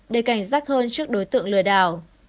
để cảnh giác hơn trước đối tượng lừa đảo